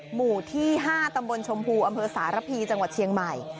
หมู่ที่๕ตำบลชมพูอำเภอสารพีจังหวัดเชียงใหม่